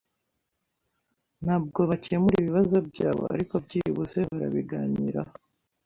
Ntabwo bakemura ibibazo byabo, ariko byibuze barabiganiraho.